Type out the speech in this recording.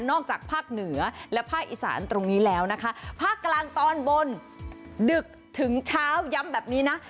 จากภาคเหนือและภาคอีสานตรงนี้แล้วนะคะภาคกลางตอนบนดึกถึงเช้าย้ำแบบนี้นะ